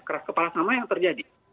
keras kepala sama yang terjadi